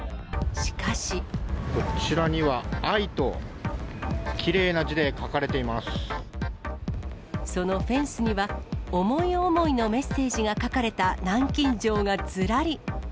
こちらには愛と、きれいな字そのフェンスには、思い思いのメッセージが書かれた南京錠がずらり。